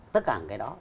tất cả cái đó